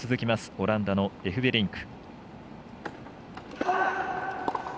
オランダのエフベリンク。